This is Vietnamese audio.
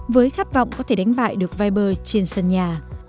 với khát vọng có thể đánh bại được viber trên sân nhà